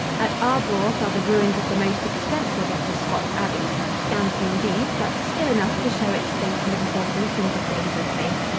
At Arbroath are the ruins of the most extensive of the Scotch abbeys, scanty indeed, but still enough to show its state and importance in the "days of faith."